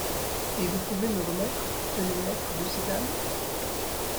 Et vous pouvez me remettre toutes les lettres de ces dames ?